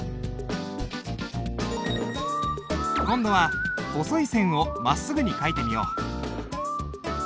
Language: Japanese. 今度は細い線をまっすぐに書いてみよう。